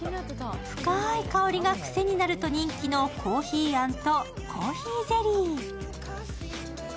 深い香りがクセになると人気のコーヒーあんとコーヒーゼリー。